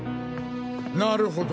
なるほど。